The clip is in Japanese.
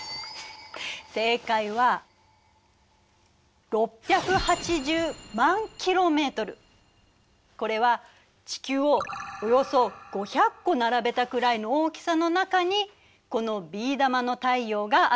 正解はこれは地球をおよそ５００個並べたくらいの大きさの中にこのビー玉の太陽があるイメージね。